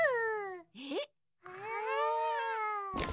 えっ！？